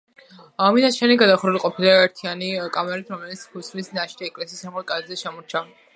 მინაშენი გადახურული ყოფილა ერთიანი კამარით, რომლის ქუსლის ნაშთი ეკლესიის სამხრეთ კედელზე შემორჩა.